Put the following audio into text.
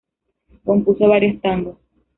Compuso varios tangos.